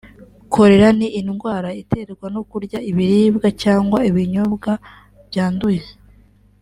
Kolera ni indwara iterwa no kurya ibiribwa cyangwa kunywa ibinyobwa byanduye